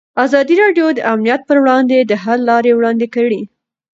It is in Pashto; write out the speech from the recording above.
ازادي راډیو د امنیت پر وړاندې د حل لارې وړاندې کړي.